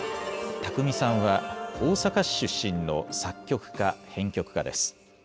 宅見さんは大阪市出身の作曲家・編曲家です。